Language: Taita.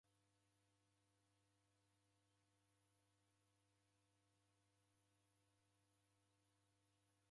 Ngera kwakunde kuende andu ukokose kwadima kuenda na Matatu.